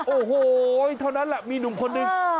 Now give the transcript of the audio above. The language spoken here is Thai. โอ้โหเท่านั้นแหละมีหนุ่มคนนึง